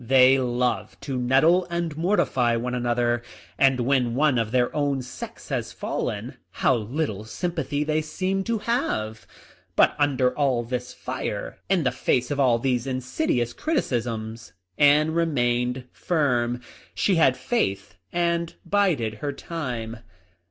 They love to nettle and mortify one another ; and when one of their own sex has fallen, how little sympathy they seem to have ! But under all this * Lamoii, p. i5i. THE LIFE OF LINCOLN. 1 35 fire, in the face of all these insidious criticisms, Anne remained firm. She had faith, and bided her time.